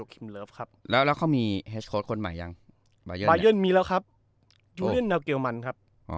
ครับแล้วแล้วเขามีคนใหม่ยังมีแล้วครับครับครับอ๋ออ่า